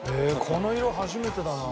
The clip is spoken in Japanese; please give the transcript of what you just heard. この色初めてだな。